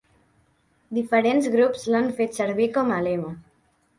Diferents grups l'han fet servir com a lema.